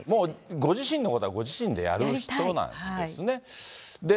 もうご自身のことは、ご自身でやる人なんですね。